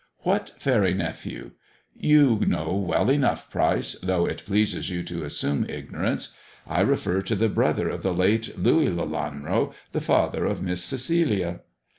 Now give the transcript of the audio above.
" What faery nephew 1 " "You know well enough, Pryce, though it pleases you to assume ignorance. I refer to the brother of the late Louis Lelanro, the father of Miss Celia."